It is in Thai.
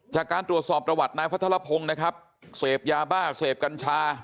จากการตรวจสอบประวัตินายพัทรพงศ์นะครับเสพยาบ้าเสพกัญชา